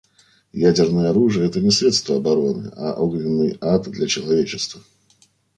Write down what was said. Ядерное оружие − это не средство обороны, а огненный ад для человечества.